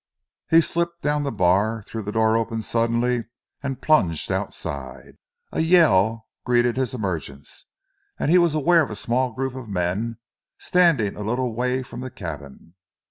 He slipped down the bar, threw the door open suddenly and plunged outside. A yell greeted his emergence and he was aware of a small group of men standing a little way from the cabin.